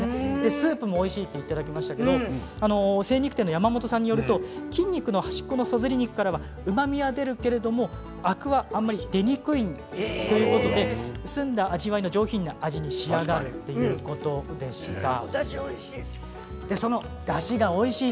スープもおいしいと出ましたけれども精肉店の山本さんによりますと筋肉の端っこのそずり肉からはうまみが出るけれどもアクはあまり出ないということで澄んだ味わいの上品な味におだし、おいしい。